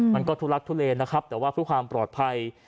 มันก็ทุลักทุเลนะครับแต่ว่าเพื่อความปลอดภัย